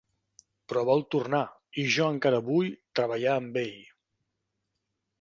Però vol tornar i jo encara vull treballar amb ell.